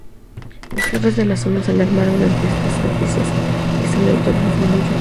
Los jefes de la zona se alarmaron ante esas noticias y su lealtad disminuyó.